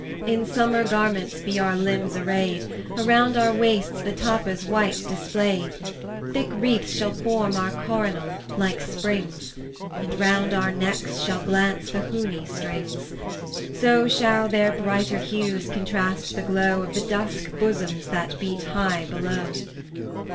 In summer garments be our limbs arrayed; Around our waists the Tappa's white displayed; Thick wreaths shall form our coronal, like Spring's, And round our necks shall glance the Hooni strings; 50 So shall their brighter hues contrast the glow Of the dusk bosoms that beat high below.